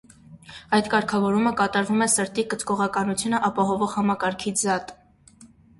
Այդ կարգավորումը կատարվում է սրտի կծկողականությունը ապահովող համակարգից զատ։